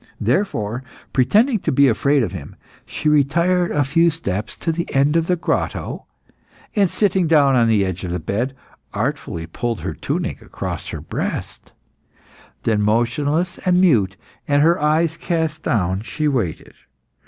Therefore, pretending to be afraid of him, she retired a few steps to the end of the grotto, and sitting down on the edge of the bed, artfully pulled her tunic across her breast; then, motionless and mute and her eyes cast down, she waited.